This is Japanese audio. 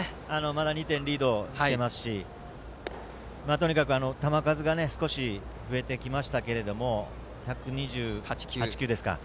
まだ２点リードしていますしとにかく球数が少し増えてきましたが１２８球と。